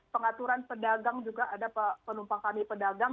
pengaturan pedagang juga ada penumpang kami pedagang